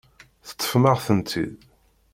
Teṭṭfem-aɣ-tent-id.